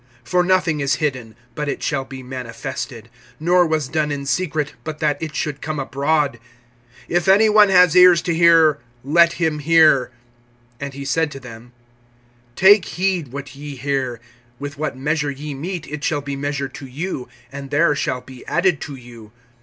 (22)For nothing is hidden, but it shall be manifested; nor was done in secret, but that it should come abroad. (23)If any one has ears to hear, let him hear. (24)And he said to them: Take heed what ye hear. With what measure ye mete, it shall be measured to you, and there shall be added to you.